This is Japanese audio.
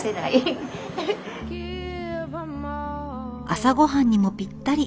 朝ごはんにもぴったり。